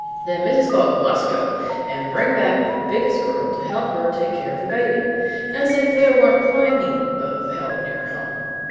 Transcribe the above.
Then Mrs. Fogg must go and bring back the biggest girl to help her take care of her baby, as if there wa'n't plenty of help nearer home!